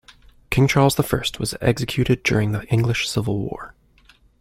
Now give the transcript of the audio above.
King Charles the First was executed during the English Civil War